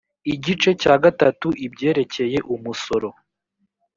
igice cya gatatu ibyerekeye umusoro